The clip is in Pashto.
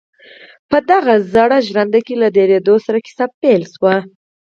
په دغه زړه ژرنده کې له درېدو سره کيسه پيل شوه.